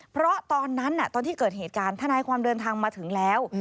เพราะตอนนั้นตอนที่เกิดเหตุการณ์ทนายความเดินทางมาถึงแล้ว